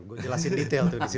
gue jelasin detail tuh disitu